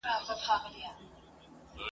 چي د نارينه برلاستیا